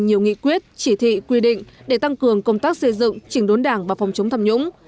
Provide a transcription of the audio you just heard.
nhiều nghị quyết chỉ thị quy định để tăng cường công tác xây dựng chỉnh đốn đảng và phòng chống tham nhũng